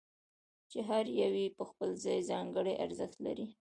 چې هر یو یې په خپل ځای ځانګړی ارزښت لري.